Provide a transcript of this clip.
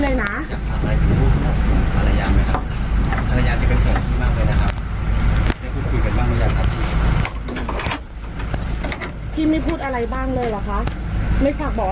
เชื่อไหมค่ะพี่เชื่อไหม